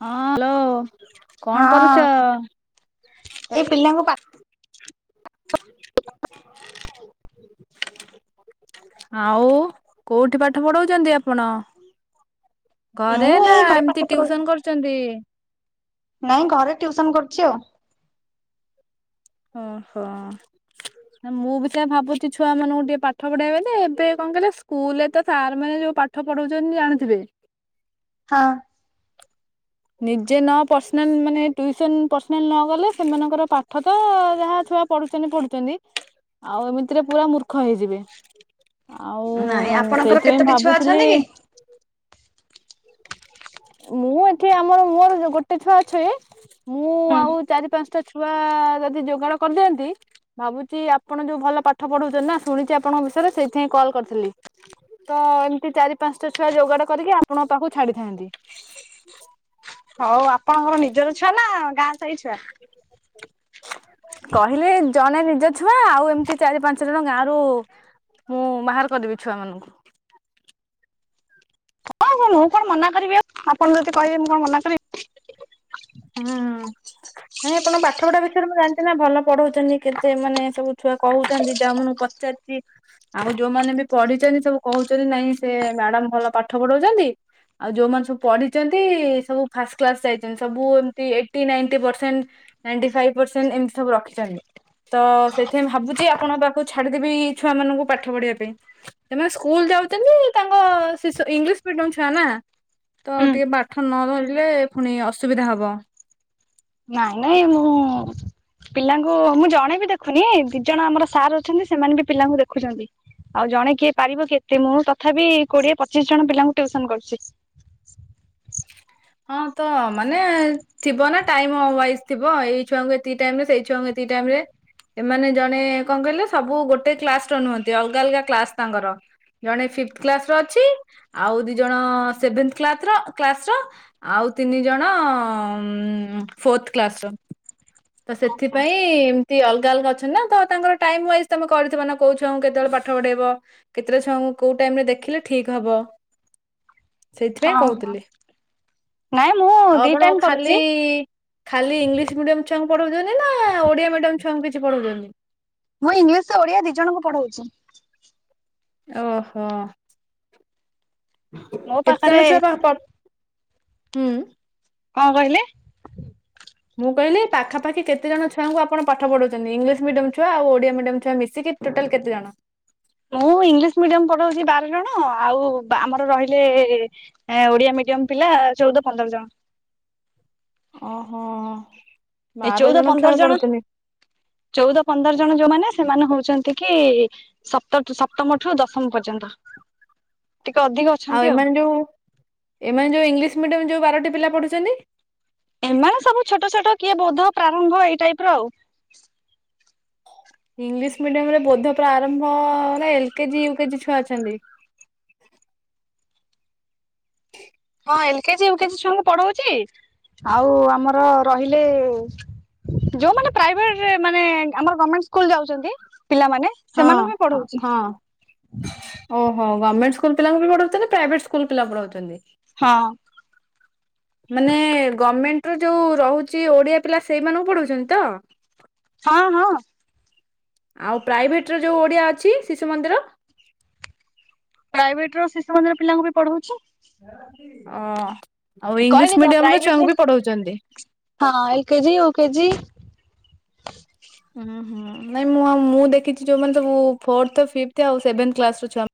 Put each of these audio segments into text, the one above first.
ହଁ ହ୍ୟାଲୋ। କଣ କରୁଛ? ହଁ ଏଇ ପିଲାଙ୍କୁ ପା [inaudible] ଆଉ କୋଉଠି ପାଠ ପଢଚନ୍ତି ଆପଣ? ଘରେ ମୁଁ ନା ଏଇ ଘରେ ପାଠ ଏମିତି ପଢଉ ଟିଉସନ କରୁଚନ୍ତି? ନାଇଁ ଘରେ ଟିଉସନ କରୁଚି ଆଉ। ଓହୋ। ମୁଁ ବି ସେଇୟା ଭାବୁଚି ଛୁଆ ମାନଙ୍କୁ ଟିକେ ପାଠ ପଢେଇବେଲେ ଏବେ କଣ କହିଲ ସ୍କୁଲ ରେ ତ ସାର୍ ମାନେ ଯୋଉ ପାଠ ପାଠ ପଢଉଚନ୍ତି ଜାଣିଥିବେ? ହଁ। ନିଜେ ନ ପର୍ସନାଲ ମାନେ ଟ୍ୟୁସନ ପର୍ସନାଲ ନଗଲେ ସେମାନଙ୍କର ପାଠ ତ ଯାହା ଛୁଆ ପଢୁଛନ୍ତି ପଢୁଛନ୍ତି ଆଉ ଏମିତିରେ ପୁରା ମୂର୍ଖ ହେଇଯିବେ। ଆଉ ନାଇଁ ଆପଣଙ୍କର ସେଇଥିପାଇଁ କେତୋଟି ଛୁଆ ଭାବୁଥିଲି ଅଛନ୍ତି କି? ମୁଁ ଏଠି ଆମର ମୋର ଗୋଟେ ଛୁଆ ଅଛି ମୁଁ ହୁଁ ଆଉ ଚାରି ପାଞ୍ଚଟା ଛୁଆ ଯଦି ଯୋଗାଡ କରିଦିଅନ୍ତି ଭାବୁଚି ଆପଣ ଯୋଉ ଭଲ ପାଠ ପଢଉଛନ୍ତି ନା ଶୁଣିଛି ଆପଣଙ୍କ ବିଷୟରେ ସେଇଥିପାଇଁ କଲ୍ କରିଥିଲି। ତ ଏମିତି ଚାରି ପାଞ୍ଚଟା ଛୁଆ ଯୋଗାଡ଼ କରିକି ଆପଣଙ୍କ ପାଖକୁ ଛାଡିଥାନ୍ତି। [inaudible] ହଉ ଆପଣଙ୍କର ନିଜର ଛୁଆ ନା ଗାଁ ସାହି ଛୁଆ? [inaudible] କହିଲେ ଜଣେ ନିଜ ଛୁଆ ଆଉ ଏମିତି ଚାରି ପାଞ୍ଚ ଜଣ ଗାଁରୁ ମୁଁ ମାହାର କରିଦେବି ଛୁଆମାନଙ୍କୁ। ହଁ ମୁଁ କଣ ମନା କରିବି ଆପଣ ଯଦି କହିବେ ମୁ କଣ ମନା କରିବି? ହୁଁ ନାଇଁ ଆପଣ ପାଠପଢାଦେଖିବାରେ ମୁଁ ଜାଣିଛି ନା ଭଲ ପଢଉଛନ୍ତି କେତେ ମାନେ ସବୁ ଛୁଆ କହୁଛନ୍ତି ଯ ଆପଣଙ୍କୁ ଚତିଶ ଆଉ ଯୋଉମାନେ ବି ପଢିଛନ୍ତି ସବୁ କହୁଛନ୍ତି ନାଇଁ ସେ ମ୍ୟାଡ଼ାମ ଭଲ ପାଠ ପଢ଼ାଉଛନ୍ତି ଆଉ ଯଉମାନେ ସବୁ ପଢିଛନ୍ତି ସବୁ ଫାଷ୍ଟ କ୍ଲାସ ଯାଇଛନ୍ତି ସବୁ କୁ ଏମତି eighty ninety percent ninety five percent ଏମତି ସବୁ ରଖିଛନ୍ତି। ତ ସେଇଥିପାଇଁ ଭାବୁଛି ଆପଣଙ୍କ ପାଖକୁ ଛାଡିଦେବି ଛୁଆ ମାନଙ୍କୁ ପାଠ ପଢିବା ପାଇଁ। ସେମାନେ ସ୍କୁଲ ଯାଉଛନ୍ତି ତାଙ୍କ ଶିଶୁ ଇଂଲିଶ ମିଡିୟମ ଛୁଆ ନା? ତ ହୁଁ ଟିକେ ପାଠ ନ ଧରିଲେ ଫୁଣି ଅସୁବିଧା ହବ। ନାଇଁ ନାଇଁ ମୁଁ ପିଲାଙ୍କୁ ମୁଁ ଜଣେ ବି ଦେଖୁନି ଦି ଜଣ ଆମର ସାର୍ ଅଛନ୍ତି ସେମାନେ ବି ପିଲାଙ୍କୁ ଦେଖୁଛନ୍ତି। ଆଉ ଜଣେ କିଏ ପାରିବ କି ଏତେ ମୁଁ ତଥାପି କୋଡିଏ ପଚିଶ ଜଣ ପିଲାଙ୍କୁ ଟ୍ୟୁସନ କରୁଛି। ହଁ ତ ମାନେ ଥିବ ନା ଟାଇମ ୱାଇଜ ଥିବ ଏଇ ଛୁଆଙ୍କୁ ଏତିକି ଟାଇମ ରେ ସେଇ ଛୁଆଙ୍କୁ ଏତିକି ଟାଇମ ରେ? ଏମାନେ ଜଣେ କଣ କହିଲେ, ସବୁ ଗୋଟେ କ୍ଲାସ ର ନୁହନ୍ତି, ଅଲଗା ଅଲଗା କ୍ଲାସ ତାଙ୍କର। ଜଣେ ଫିଥ କ୍ଲାସ ର ଅଛି ଆଉ ଦି ଜଣ ସେଭେନ୍ଥ୍ କ୍ଲାତ୍ ର କ୍ଲାସ ର ଆଉ ତିନି ଜଣ ଫୋର୍ଥ କ୍ଲାସର। ତ ଓହୋ ସେଥିପାଇଁ ଅଲଗା, ଅଲଗା ଅଛନ୍ତି ନା ତ ତାଙ୍କର ଟାଇମ ୱାଇଜ ତମେ କରିଥିବ ନା କଉ ଛୁଆଙ୍କୁ କେତେବେଳେ ପାଠ ପଢେଇବ? କେତେଟା ଛୁଆଙ୍କୁ କୋଉ ଟାଇମ ରେ ଦେଖିଲେ ଠିକ ହବ? ସେଇଥିପାଇଁ ହଁ ହଁ କହୁଥିଲି ନାଇଁ ମୁଁ ଆଉ ଦି ଆପଣ ଟାଇମ କରୁଛି ଖାଲି ଖାଲି ଇଂଲିଶ ମିଡିୟମ୍ ଛୁଆଙ୍କୁ ପଢଉଛନ୍ତି ନା ଓଡିଆ ମିଡିୟମ୍ ଛୁଆଙ୍କୁ କିଛି ପଢଉଛନ୍ତି? ମୁଁ ଇଂଲିଶ ଓଡିଆ ଦି ଜଣଙ୍କୁ ପଢଉଛି। ଓହୋ ମୋ ପାଖରେ କେତେଜଣ ଛୁଆପା ହୁଁ। କଣ କହିଲେ? ମୁଁ କହିଲି ପାଖପାଖି କେତେ ଜଣ ଛୁଆଙ୍କୁ ଆପଣ ପାଠ ପଢ଼ଉଛନ୍ତି? ଇଂଲିଶ ମିଡିୟମ ଛୁଆ ଆଉ ଓଡିଆ ମିଡିୟମ ଛୁଆ ମିଶିକି। ଟୋଟାଲ କେତେ ଜଣ? ମୁଁ ଇଂଲିଶ ମିଡିୟମ ପଢଉଛି ବାର ଜଣ ଆଉ ଆମର ରହିଲେ ଏ ଓଡିଆ ମିଡିୟମ ପିଲା ଚଉଦ ପନ୍ଦର ଜଣ। ଓହୋ ଏ ବାର ଚଉଦ ଜଣ ପନ୍ଦର ଛୁଆ ପଢୁଥିଲେ। ଚଉଦ ପନ୍ଦର ଜଣ ଯୋଉମାନେ ସେମାନେ ହଉଛନ୍ତି କି ସପ୍ତଠୁ ସପ୍ତମଠୁ ଦଶମ ପର୍ଯ୍ୟନ୍ତ। ଟିକେ ଅଧିକ ଅଛନ୍ତି ଆଉ ଏମାନେ ଯୋଉ ଏମାନେ ଯୋଉ ଇଂଲିଶ ମିଡିୟମ ଯୋଉ ବାରଟି ପିଲା ପଢୁଛନ୍ତି? ଏମାନେ ସବୁ ଛୋଟ ଛୋଟ କିଏ ବୋଧ ପ୍ରାରମ୍ଭ ଏଇ ଟାଇପ ର ଆଉ। ଇଂଲିଶ ମିଡିୟମରେ ବୋଧ ପ୍ରାରମ୍ଭରେ ଏଲ କେଜି, ୟୁ କେଜି ଛୁଆ ଅଛନ୍ତି। ହଁ ଏଲ କେଜି, ୟୁ କେଜି ଛୁଆଙ୍କୁ ପଢଉଛି। ଆଉ ଆମର ରହିଲେ ଯୋଉମାନେ ପ୍ରାଇଭେଟ ମାନେ ଆମର ଗମେଣ୍ଟ ସ୍କୁଲ ଯାଉଛନ୍ତି ପିଲାମାନେ। ହଁ ସେମାନଙ୍କୁ ବି ହଁ ପଢଉଛି। ହଁ। ଓହୋ ଗମେଣ୍ଟ ସ୍କୁଲ ପିଲାଙ୍କୁ ବି ପଢଉଛନ୍ତି, ପ୍ରାଇଭେଟ ସ୍କୁଲ ପିଲା ପଢାଉଛନ୍ତି। ହଁ। [unintelligible] ମାନେ ଗମେଣ୍ଟର ଯୋଉ ରହୁଛି ଓଡିଆ ପିଲା, ସେଇମାନଙ୍କୁ ପଢାଉଛନ୍ତି ତ? ହଁ, ହଁ। ଆଉ ପ୍ରାଇଭେଟର ଯୋଉ ଓଡ଼ିଆ ଅଛି, ଶିଶୁ ମନ୍ଦିର। ପ୍ରାଇଭେଟର ଶିଶୁମନ୍ଦିର ପିଲାଙ୍କୁ ବି ପଢଉଛି। ଅ ଆଉ କହିଲି ଇଂଲିଶ ତ ମିଡିୟମର ପ୍ରାଇଭେଟ ରେ ଛୁଆଙ୍କୁ ବି ପଢଉଛନ୍ତି। ହଁ, ଏଲ୍ କେଜିି, ଇଉ କେଜି। ହୁ ନାଇଁ ମୁଁ ମୁଁ ଦେଖିଛି ଯୋଉମାନେ ସବୁ ଫୋର୍ଥ, ଫିବଥ ଆଉ ସେଭେନ୍ କ୍ଲାସର ଛୁଆ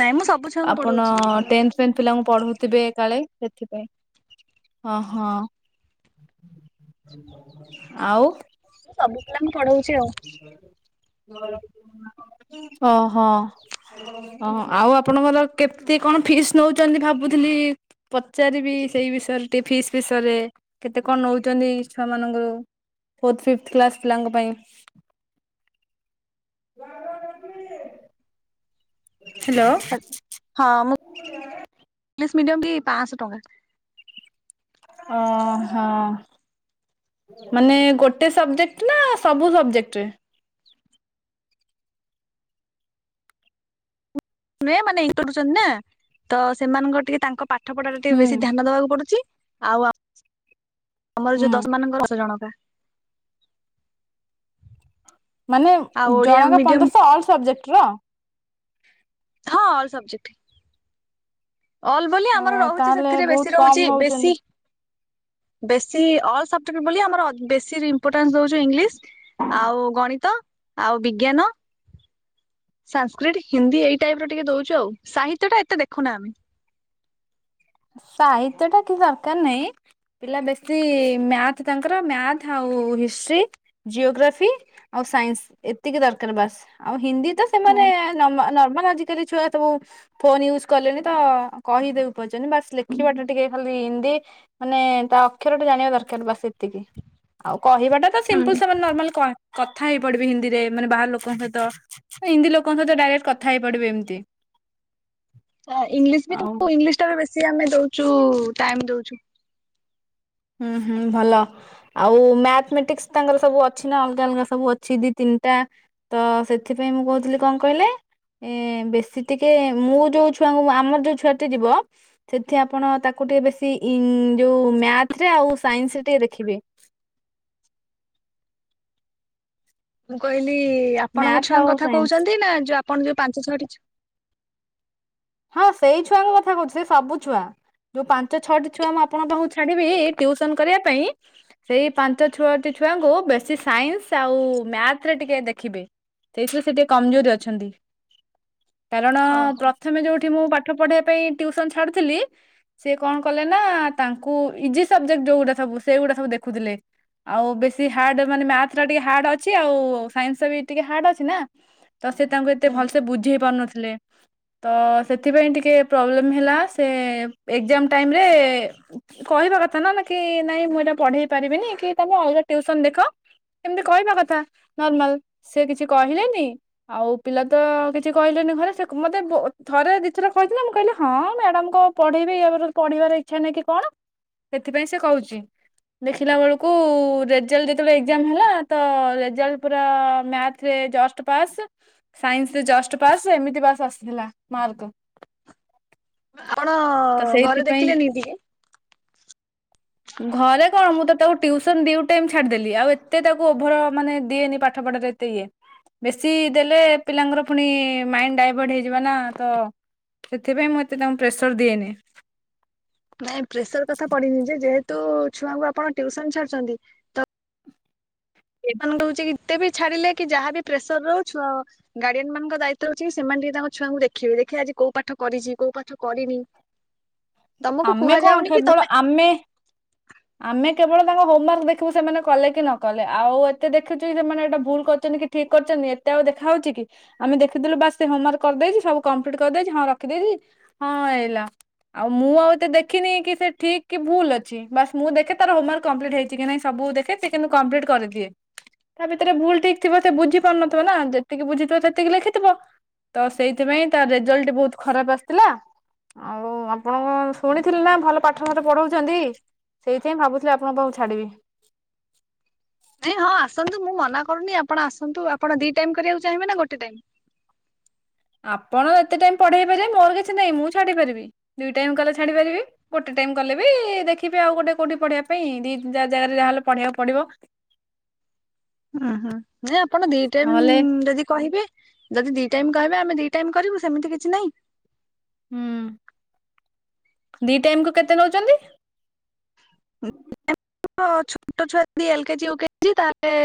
ନାଇଁ ମୁଁ ସବୁ ଛୁଆଙ୍କୁ ଆପଣ ପଢଉଛି। ଟେନଥ ଟେନ୍ଥ ପିଲାଙ୍କୁ ପଢଉଥିବେ କାଳେ ସେଥିପାଇଁ, ହଁ ହଁ। ଆଉ। ମୁଁ ସବୁ ପିଲାଙ୍କୁ ପଢଉଛି ଆଉ। ଓ ହୋ। ହ, ଆଉ ଆପଣଙ୍କର କେତେ କଣ ଫିସ୍ ନଉଛନ୍ତି ଭାବୁଥିଲି? ପଚାରିବି ସେଇ ବିଷୟରେ ଟିକେ ଫିସ୍ ବିଷୟରେ। କେତେ କଣ ନଉଛନ୍ତି ଛୁଆ ମାନଙ୍କର? ଫୋର୍ଥ, ଫିବଥ କ୍ଲାସ୍ ପିଲାଙ୍କ ପାଇଁ। [unintelligible] ହ୍ୟାଲୋ। ହଁ ମୁଁ ଇଂଲିଶ ମିଡିୟମ ବି ପାଞ୍ଚଶହ ଟଙ୍କା। ଓ ହଁ। ମାନେ ଗୋଟେ ସବଜେକ୍ଟ ନା ସବୁ ସବଜେକ୍ଟରେ। ମାନେ ମାନେ ଇଣ୍ଟର ଦଉଛନ୍ତି ନା। ତ ସେମାନଙ୍କ ଟିକେ ତାଙ୍କ ପାଠ ପାଠ ପଢାରେ ଟିକେ ହୁଁ ବେଶୀ ଧ୍ୟାନ ଦବାକୁ ପଡୁଛି। ଆଉ ଆମ ଆମର ହୁଁ। ଯୋଉ ଦଶ ମାନଙ୍କର ଜଣକା ମାନେ ଆଉ ଓଡିଆ ଜଣକା ମିଡିୟମ ପନ୍ଦରଶହ ଅଲ ସବଜେକ୍ଟ ର। ହଁ। All subject. ଅଲ ବୋଲି ଓ ଆମର ରହୁଛି ତାହେଲେ ସେଥିରେ ବହୁତ ବେଶୀ କମ ରହୁଛି ନଉଛନ୍ତି। ବେଶି ବେଶୀ, ଅଲ୍ ସବଜେକ୍ଟ ବୋଲି ଆମର ବେଶୀରି ଇମ୍ପୋଟାନ୍ସ ଦଉଛୁ ଇଂଲିଶ, ଆଉ ଗଣିତ, ଆଉ ବିଜ୍ଞାନ ସାନସକ୍ରିଟ, ହିନ୍ଦୀ ଏଇ ଟାଇପ ର ଟିକେ ଦଉଛୁ ଆଉ। ସାହିତ୍ୟ ଟା ଏତେ ଦେଖୁନା ଆମେ। ସାହିତ୍ୟଟା କିିଛି ଦରକାର ନାହିଁ। ପିଲା ବେଶୀ ମ୍ୟାଥ ତାଙ୍କର, ମ୍ୟାଥ ଆଉ ହିଷ୍ଟ୍ରି ଜିଓଗ୍ରାଫି ଆଉ ସାଇନ୍ସ ଏତିକି ଦରକାର ବାସ୍। ଆଉ ହିନ୍ଦୀ ତ ହଁ ସେମାନେ ନର୍ମା ନର୍ମାଲ ଆଜିକାଲି ଛୁଆ ସବୁ ଫୋନ ୟୁଜ୍ କଲେଣି ତ କହିଦେବେ। ବାସ୍ ଲେଖିବାଟା ଟିକେ ଖାଲି ହିନ୍ଦୀ ମାନେ ତା ଅକ୍ଷର ଟେ ଜାଣିବା ଦରକାର, ବାସ୍ ଏତିକି। ଆଉ କହିବାଟା ତ ସିମ୍ପଲ ହୁଁ। ସେମାନେ ନର୍ମାଲ କଥା ହେଇ ପଡିବେ ହିନ୍ଦୀରେ ମାନେ ବାହାର ଲୋକଙ୍କ ସହିତ। ସେ ହିନ୍ଦୀ ଲୋକଙ୍କ ସହିତ ଡାଇରେକ୍ଟ କଥା ହେଇ ପଡିବେ ଏମିତି। ତ ଇଂଲିଶ ବି, ଆଉ ତାକୁ ଇଂଲିଶ ଟାରେ ବେଶୀ ଆମେ ଦଉଛୁ ଟାଇମ ଦଉଛୁ। ହୁଁ, ହୁଁ, ଭଲ। ଆଉ ମ୍ୟାଥମେଟିକ୍ସ ତାଙ୍କର ସବୁ ଅଛି ନା ଅଲଗା ଅଲଗା ସବୁ ଅଛି ଦି ତିନିଟା। ତ ସେଥିପାଇଁ ମୁଁ କହୁଥିଲି, କଣ କହିଲେ? ଏ ବେଶୀ ଟିକେ ମୁଁ ଯୋଉ ଛୁଆ ଙ୍କୁ ଆମର ଯୋଉ ଛୁଆଟି ଯିବ ସେଠି ଆପଣ ତାକୁ ଟିକେ ବେଶୀ ଇନ ଯୋଉ ମ୍ୟାଥ ରେ ଆଉ ସାଇନ୍ସ ରେ ଟିକେ ଦେଖିବେ। ମୁଁ କହିଲି ଆପଣଙ୍କ ମ୍ୟାଥ ଛୁଆଙ୍କ ଆଉ କଥା ସାଇନ୍ସ କହୁଛନ୍ତି ନା, ଯୋଉ ଆପଣ ଯୋଉ ପାଞ୍ଚ ଛଅଟି ଛୁ ହଁ ସେଇ ଛୁଆଙ୍କ କଥା କହୁଛି ସେ ସବୁ ଛୁଆ। ଯୋଉ ପାଞ୍ଚ ଛଅଟି ଛୁଆ ମୁଁ ଆପଣଙ୍କ ପାଖକୁ ଛାଡିବି ଟିଉସନ କରିବା ପାଇଁ ସେଇ ପାଞ୍ଚ ଛୁଅଟି ଛୁଆଙ୍କୁ ବେଶୀ ସାଇନ୍ସ ଆଉ ମ୍ୟାଥ ରେ ଟିକେ ଦେଖିବେ। ସେଇଥିରେ ସେ ଟିକେ କମଜୋରି ଅଛନ୍ତି କାରଣ ଓହୋ। ପ୍ର ପ୍ରଥମେ ଯୋଉଠି ମୁଁ ପାଠ ପଢିବା ପାଇଁ ଟ୍ୟୁସନ ଛାଡୁଥିଲି ସେ କଣ କଲେ ନା ତାଙ୍କୁ ଇଜି ସବଜେକ୍ଟ ଯୋଉ ଗୁଡ଼ା ସବୁ ସେଗୁଡ଼ା ସବୁ ଦେଖୁଥିଲେ। ଆଉ ବେଶୀ ହାର୍ଡ ମାନେ ମ୍ୟାଥ ଟା ଟିକେ ହାର୍ଡ ଅଛି ଆଉ ସାଇନ୍ସ ବି ଟିକେ ହାର୍ଡ ଅଛି ନା। ତ ସେ ତାଙ୍କୁ ଏତେ ହୁଁ। ଭଲସେ ବୁଝେଇ ପାରୁନଥିଲେ। ତ ସେଥିପାଇଁ ଟିକେ ପ୍ରୋବ୍ଲେମ ହେଲା ସେ ଏକ୍ଜାମ ଟାଇମରେ କହିବା କଥା ନା ନା କି ନାଇଁ ମୁଁ ଏଇଟା ପଢେଇ ପାରିବିନି କି ତମେ ଅଲଗା ଟିଉସନ୍ ଦେଖ। ଏମିତି କହିବା କଥା ନର୍ମାଲ ସେ କିଛି କହିଲେନି ଆଉ ପିଲା ତ କିଛି କହିଲନି ଘରେ ସେ ମତେ ମେ ବ ଥରେ ଦିଇଥରେ କହିଥିଲେ ମୁଁ କହିଲି ହଁ ମ୍ୟାଡାମ କ ପଢେଇବି ପଢିବାର ଇଚ୍ଛା ନାହିଁ କି କଣ ସେଥିପାଇଁ ସେ କହୁଛି। ଦେଖିଲା ବେଳକୁ ରେଜଲ୍ଟ ଯେତେବେଳେ ଏକ୍ଜାମ ହେଲା ତ ରେଜଲ୍ଟ ପୁରା ମ୍ୟାଥ ଜଷ୍ଟ ପାସ ସାଇନ୍ସରେ ଜଷ୍ଟ ପାସ୍ ଏମତି ପାସ। ଥିଲା ମାର୍କ ଆପଣ ତ ଘରେ ସେଇଥିପାଇଁ। ଦେଖିଲେନି ଟିକେ? ଘରେ କଣ ମୁଁ ତ ତାକୁ ଟ୍ୟୁସନ ଦି ଟାଇମ୍ ଛାଡ଼ିଦେଲି ଆଉ ଏତେ ତାକୁ ଓଭର ମାନେ ଦିଏନି ପାଠପଢାରେ। ଇଏ ବେଶୀ ଦେଲେ ପିଲାଙ୍କର ପୁଣି ମାଇଣ୍ଡ ଡାଇଭର୍ଟ ହେଇଯିବ। ଯିବା ନା ତ ସେଥିପାଇଁ ମୁଁ ଏତେ ତାଙ୍କୁ ପ୍ରେସର ଦିଏନି। ନାଇଁ ପ୍ରେସର କଥା ପଡିନି ଯେ ଯେହେତୁ ଛୁଆଙ୍କୁ ଆପଣ ଟ୍ୟୁସନ ଛାଡୁଛନ୍ତି। ମାନେ ହଉଛି କି ଏତେ ବି ଛାଡିଲେ କି ଯାହା ବି ପ୍ରେସର ରହୁଛୁଆ। ଗାର୍ଡିଆନ ମାନଙ୍କ ଦାୟିତ୍ୱ ର ଅଛି ସେମାନେ ଟିକେ ତାଙ୍କ ଛୁଆଙ୍କୁ ଦେଖିବେ ଦେଖେ ଆଜି କୋଉ ପାଠ କରିଛି କୋଉ ପାଠ କରିନି। ତମକୁ ଆମେ କଣ କୁହାଯାଉନି କି କେବଳ ତମେ ଆମେ। ଆମେ କେବଳ ତାଙ୍କ ହୋମ ୱାର୍କ ଦେଖିବୁ ସେମାନେ କଲେ କି ନ କଲେ ଆଉ ଏତେ ଦେଖୁଛୁ ସେମାନେ ଏଇଟା ଭୁଲ କରିଛନ୍ତି କି ଠିକ। ଠିକ କରିଛନ୍ତି ଏତେ ଆଉ ଦେଖାହଉଛି କି। ଆମେ ଦେଖିଥିଲୁ ବାସ ସେ ହୋମ ୱାର୍କ କରିଦେଇଛି ସବୁ କମ୍ପ୍ଲିଟ କରିଦେଇଛି ହଁ ରଖିଦେଇଛି ହଁ ହେଲା। ଆଉ ମୁଁ ଆଉ ଏତେ ଦେଖିନି କି ସେ ଠିକ କି ଭୁଲ ଅଛି ବାସ। ମୁଁ ଦେଖେ ତାର ହୋମୱାର୍କ କମ୍ପ୍ଲିଟ ହେଇଛି କି ନାଇଁ ସବୁ ଦେଖ ସେ କିନ୍ତୁ କମ୍ପ୍ଲିଟ କରିଦିଏ। ତା ଭିତରେ ଭୁଲ ଠିକ ଥିବ ସେ ବୁଝି ପାରୁନଥିବ ନା ଯେତିକି ବୁଝିଥିବ ସେତିକି ଲେଖିଥିବ। ତ ସେଇଥିପାଇଁ ତାର ରେଜଲ୍ଟ ବହୁତ ଖରାପ ଆସିଥିଲା। ଆଉ ଆପଣଙ୍କ ଶୁଣିଥିଲି ନା ଭଲ ପାଠ ପାଠ ପଢଉଛନ୍ତି। ସେଇଥିପାଇଁ ଭାବୁଥିଲି ଆପଣଙ୍କ ପାଖକୁ ଛାଡ଼ିବି। ନାଇଁ ହଁ ଆସନ୍ତୁ ମୁଁ ମନା କରୁନି ଆପଣ ଆସନ୍ତୁ ଆପଣ ଦି ଟାଇମ କରିବାକୁ ଚାହିଁବେ ନା ଗୋଟେ ଟାଇମ୍। ଆପଣ ଯେତେ ଟାଇମ ପଢେଇ ପାରିବେ ମୋର କିଛି ନାହିଁ ମୁଁ ଛାଡ଼ି ପାରିବି ଦିଇ ଟାଇମ୍ କହିଲେ ଛାଡ଼ିପାରିବି। ଗୋଟେ ଟାଇମ କଲେ ବି ଦେଖିବି ଆଉ ଗୋଟେ କୋଉଠି ପଢେଇବା ପାଇଁ ଦି ଜାଗାରେ ଯାହାହେଲେ ପଢେଇବାକୁ ପଡିବ। ଓ ହୋ ନଁ ଆପଣ ଦିଟାଇମ୍ ନହେଲେ ଯଦି କହିବେ। ଯଦି ଦିଇ ଟାଇମ୍ କହିବେ ଆମେ ଦି ଟାଇମ୍ କରିବୁ ସେମିତି କିଛି ନାହିଁ। ହୁଁ ଦି ଟାଇମ୍କୁୁ କେତେ ନଉଛନ୍ତି। ଛୋଟ ଛୁଆ ଯଦି ଏଲକେଜି ୟୁକେଜି ତାହେଲେ।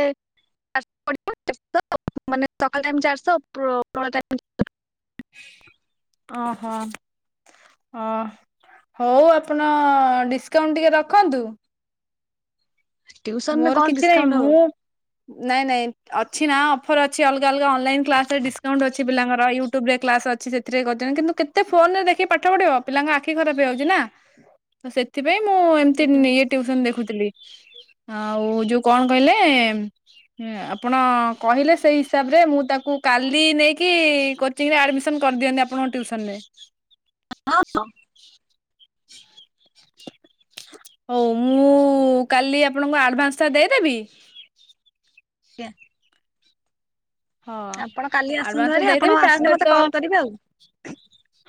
ସକାଳ ଟାଇମ ଚାରିଶହ ଉପରବେଲା ଟାଇମ। ଓହୋ। ହଁ ହଉ ଆପଣ ଡିସକାଉଣ୍ଟ ଟିକେ ରଖନ୍ତୁ। ଟିଉସନରେ ମୋର କଣ କିଛି ନାହିଁ ଡିସକାଉଣ୍ଟ ହବ? ମୁଁ। ନାଇଁ ନାଇଁ ଅଛି ନା ଅଫର୍ ଅଛି ଅଲଗା ଅଲଗା ଅନଲାଇନ୍ କ୍ଲାସରେ ଡିସକାଉଣ୍ଟ ଅଛି ପିଲାଙ୍କର ୟୁଟ୍ୟୁବ୍ରରେ କ୍ଲାସ୍ ଅଛି ସେ। ଥିରେ କରି କିନ୍ତୁ କେତେ ଫୋନ ରେ ଦେଖି ପାଠ ପଢିବ ପିଲାଙ୍କ ଆଖି ଖରାପ ହେଇଯାଉଛି ନା। ତ ସେଥିପାଇଁ ମୁଁ ଏମିତି ଇଏ ଟଉସନ ଦେଖୁଥିଲି। ଆଉ ଯୋଉ କଣ କହିଲେ। ହୁଁ ଆପଣ କହିଲେ ସେଇ ହିସାବରେ ମୁଁ ତାକୁ କାଲି ନେଇକି। ରେ ଆଡମିସନ କରି ଦିଅନ୍ତି ଆପଣଙ୍କ ଟ୍ୟୁସନ ରେ। ହଁ ହଁ। ହଉ ମୁଁ କାଲି ଆପଣଙ୍କୁ ଆଡଭାନ୍ସ ଟା ଦେଇଦେବି। ଆଜ୍ଞା। ହଁ। ଆପଣ କାଲି ଆସନ୍ତୁ ଆଡ଼ଭାନ୍ସଟା ଭାରି ଆପଣ ଦେଇଦେବି ତା ଆସିଲେ ସହିତ ମୋତେ କଲ୍ କରିବେ ଆଉ।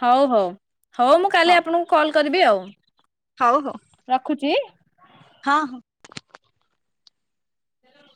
ହଉ ହଉ ହଉ ମୁଁ କାଲି ଆପଣଙ୍କୁ କଲ୍ କରିବି ଆଉ। ହଉ ହଉ। ରଖୁଛି। ହଁ ହଁ। ହେଲୋ।